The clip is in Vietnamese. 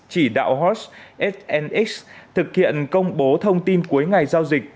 chỉ đạo horses hnx thực hiện công bố thông tin cuối ngày giao dịch